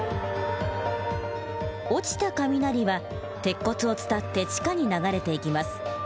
落ちた雷は鉄骨を伝って地下に流れていきます。